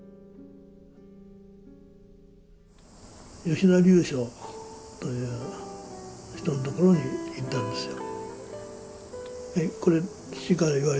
吉田龍象という人のところに行ったんですよ。